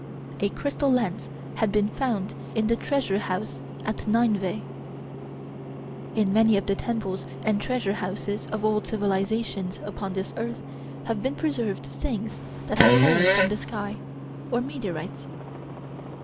A crystal lens had been found in the treasure house at Nineveh. In many of the temples and treasure houses of old civilizations upon this earth have been preserved things that have fallen from the sky or meteorites.